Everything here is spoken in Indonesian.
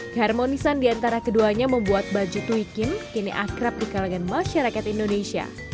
keharmonisan diantara keduanya membuat baju tui kim kini akrab di kalangan masyarakat indonesia